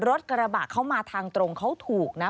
รถกระบะเขามาทางตรงเขาถูกนะ